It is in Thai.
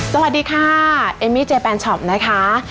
สวัสดีค่ะเอมมี่เจแปนช็อปนะคะ